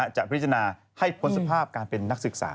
จะพิจารณาให้พ้นสภาพการเป็นนักศึกษา